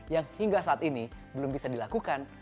yang hingga saat ini belum bisa dilakukan